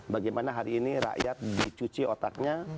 bagaimana hari ini rakyat dicuci otaknya